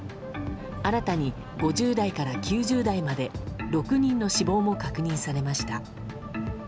新たに５０代から９０代まで６人の死亡も確認されました。